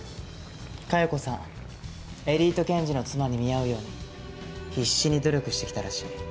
佳代子さんエリート検事の妻に見合うように必死に努力してきたらしい。